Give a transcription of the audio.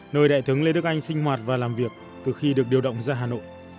nơi đại tướng lê đức anh sinh hoạt và làm việc từ khi được điều động ra hà nội